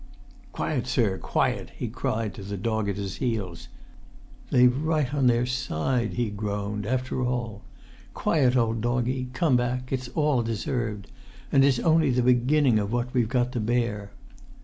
"Quiet, sir—quiet!" he cried to the dog at his heels. "They've right on their side," he groaned, "after all! Quiet, old doggie; come back; it's all deserved. And it's only the beginning of what we've got to bear!"